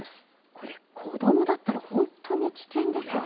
これ、子どもだったら本当に危険ですよね。